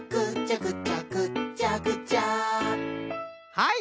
はい！